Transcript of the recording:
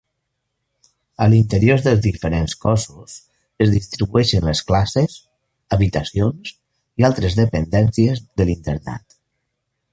A l'interior dels diferents cossos es distribueixen les classes, habitacions i altres dependències de l'internat.